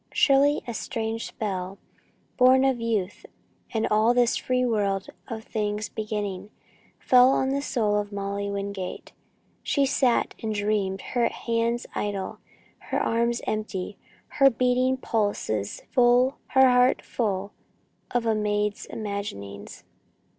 Surely a strange spell, born of youth and all this free world of things beginning, fell on the soul of Molly Wingate. She sat and dreamed, her hands idle, her arms empty, her beating pulses full, her heart full of a maid's imaginings.